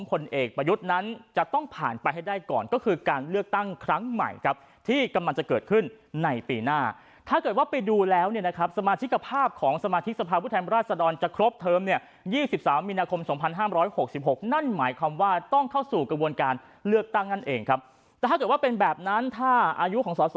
ผลเอกประยุทธ์นั้นจะต้องผ่านไปให้ได้ก่อนก็คือการเลือกตั้งครั้งใหม่ครับที่กำลังจะเกิดขึ้นในปีหน้าถ้าเกิดว่าไปดูแล้วเนี่ยนะครับสมาชิกภาพของสมาชิกสภาพผู้แทนราชดรจะครบเทอมเนี่ย๒๓มีนาคม๒๕๖๖นั่นหมายความว่าต้องเข้าสู่กระบวนการเลือกตั้งนั่นเองครับแต่ถ้าเกิดว่าเป็นแบบนั้นถ้าอายุของสส